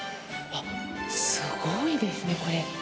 あっ、すごいですね、これ。